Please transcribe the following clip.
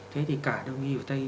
thế thì cả đông y và tây y